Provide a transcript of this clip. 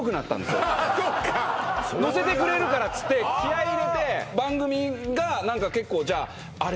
ああそっか載せてくれるからっつって気合入れて番組が何か結構じゃああれ